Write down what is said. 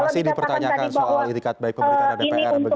masih dipertanyakan soal itikat baik pemerintah dan dpr begitu bu rini